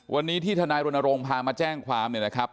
วันนี้ที่ทนายรณรงค์พามาแจ้งความเนี่ยนะครับ